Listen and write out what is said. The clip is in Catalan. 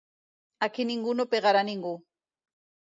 Aquí ningú no pegarà ningú.